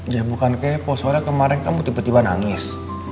ya bukan kepo soalnya kemarin kamu tiba tiba nangis